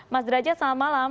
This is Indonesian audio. mas drajat selamat malam